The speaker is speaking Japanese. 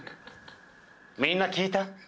みんな聞いた？